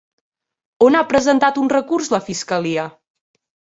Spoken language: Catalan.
On ha presentat un recurs la fiscalia?